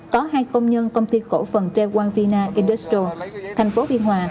có hai công nhân công ty cổ phần treo wang vina industrial tp biên hòa